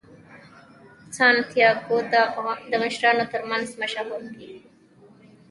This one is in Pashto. سانتیاګو د مشرانو ترمنځ مشهور کیږي.